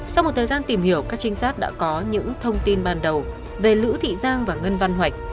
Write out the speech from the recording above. sau một thời gian tìm hiểu các trinh sát đã có những thông tin ban đầu về lữ thị giang và ngân văn hoạch